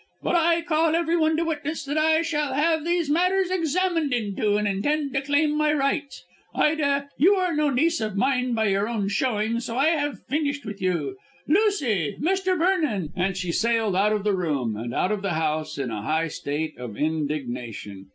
"But I call everyone to witness that I shall have these matters examined into, and intend to claim my rights. Ida, you are no niece of mine by your own showing, so I have finished with you. Lucy! Mr. Vernon!" and she sailed out of the room and out of the house in a high state of indignation.